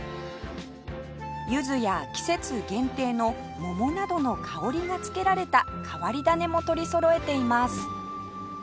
柚子や季節限定の桃などの香りがつけられた変わり種も取りそろえています